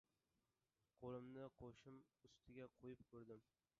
Qo‘limni qoshim ustiga qo‘yib ko‘rdim.